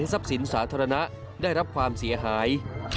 ทรัพย์สินสาธารณะได้รับความเสียหาย